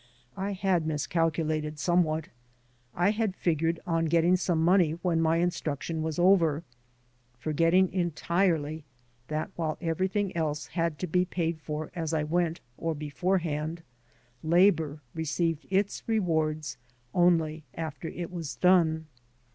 I had miscalculated somewhat. I had figured on getting some money when my instruction was over, forgetting entirely that while everything else had to be paid for as I went or beforehand, labor received its rewards only after it was done.